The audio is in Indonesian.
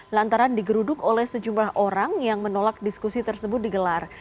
lantaran digeruduk oleh sejumlah orang yang menolak diskusi tersebut digelar